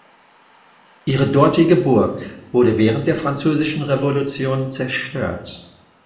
Ihre dortige Burg wurde während der Französischen Revolution zerstört.